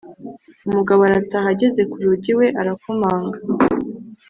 umugabo arataha ageze ku rugi iwe arakomanga.